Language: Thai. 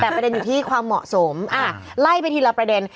แต่ประเด็นอยู่ที่ความเหมาะสมไล่ไปทีละประเด็น